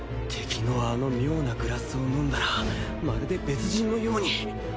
敵のあの妙なグラスを飲んだらまるで別人のように。